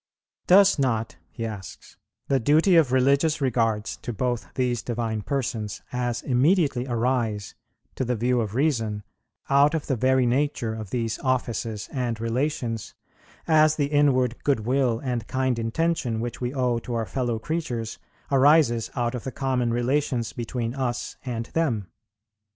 "Does not," he asks, "the duty of religious regards to both these Divine Persons as immediately arise, to the view of reason, out of the very nature of these offices and relations, as the inward good will and kind intention which we owe to our fellow creatures arises out of the common relations between us and them?"